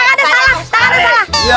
nggak ada salah